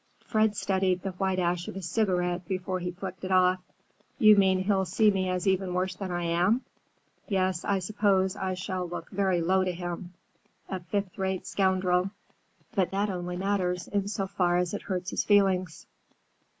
Fred studied the white ash of his cigarette before he flicked it off. "You mean he'll see me as even worse than I am. Yes, I suppose I shall look very low to him: a fifthrate scoundrel. But that only matters in so far as it hurts his feelings."